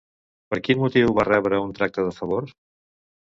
Per quin motiu va rebre un tracte de favor?